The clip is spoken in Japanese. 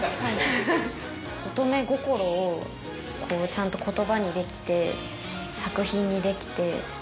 ちゃんと言葉にできて作品にできて。